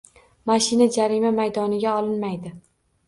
Mashina jarima maydoniga olimnaydi.